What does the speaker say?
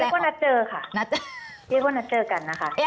เรียกว่านัดเจอค่ะเรียกว่านัดเจอกันนะคะ